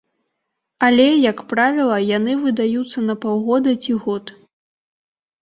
Але, як правіла, яны выдаюцца на паўгода ці год.